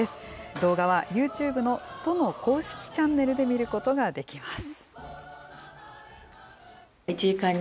動画はユーチューブの都の公式チャンネルで見ることができます。